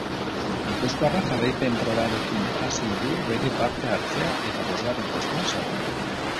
Gipuzkoarrak jarraipen probarekin hasi du bere parte hartzea eta bosgarren postuan zegoen.